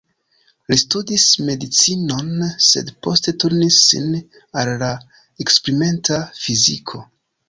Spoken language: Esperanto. Li studis medicinon, sed poste turnis sin al la eksperimenta fiziko.